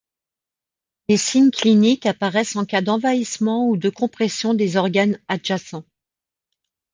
Les signes cliniques apparaissent en cas d'envahissement ou de compression des organes adjacents.